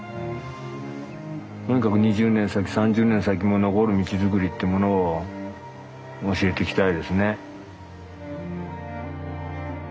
とにかく２０年先３０年先も残る道作りってものを教えていきたいですね。